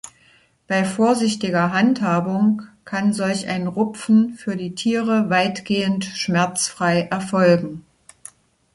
Bei vorsichtiger Handhabung kann solch ein Rupfen für die Tiere weitgehend schmerzfrei erfolgen.